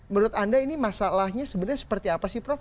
menurut anda ini masalahnya sebenarnya seperti apa sih prof